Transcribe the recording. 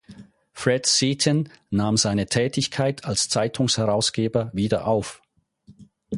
Fred Seaton nahm seine Tätigkeit als Zeitungsherausgeber wieder auf.